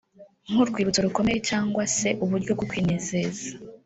nk’urwibutso rukomeye cyangwa se uburyo bwo kwinezeza